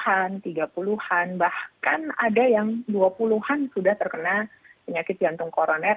bahkan tiga puluh an bahkan ada yang dua puluh an sudah terkena penyakit jantung koroner